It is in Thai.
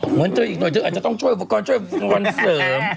หมอนเจ้าอีกค่ะเธออาจจะต้องช่วยคุณวงค์ชั่วโอปกรณ์เสริม